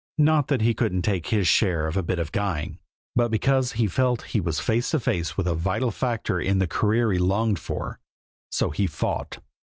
Not that he couldn't take his share of a bit of guying, but because he felt that he was face to face with a vital factor in the career he longed for so he fought.